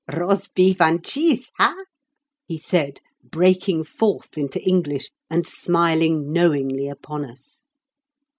"Rosbif and chiss ha!" he said, breaking forth into English, and smiling knowingly upon us.